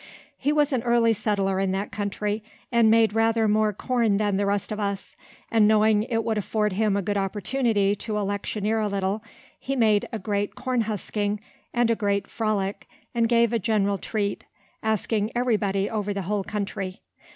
He was an early settler in that country, and made rather more corn than the rest of us; and knowing it would afford him a good opportunity to electioneer a little, he made a great corn husking, and a great frolic, and gave a general treat, asking every body over the whole country.